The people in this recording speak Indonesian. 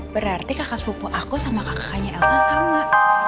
berarti kakak sepupu aku sama kakak kakaknya elsa sama